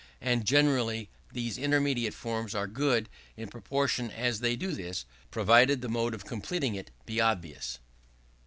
And generally these intermediate forms are good in proportion as they do this; provided the mode of completing it be obvious.